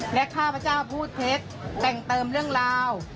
และข้าพเจ้าพูดเท็จแต่งเติมเรื่องราว